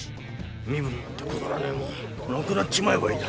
身分なんてくだらねえもんなくなっちまえばいいだ。